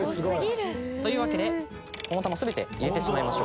というわけでこの球全て入れてしまいましょう。